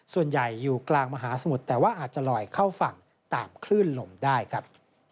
ส่วนใหญ่อยู่กลางมหาสมุทรแต่ว่าอาจจะลอยเข้าฝั่งตามคลื่นลมได้ครับ